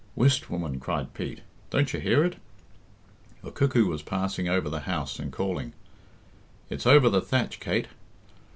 "Whist, woman!" cried Pete. "Don't you hear it?" A cuckoo was passing over the house and calling. "It's over the thatch, Kate.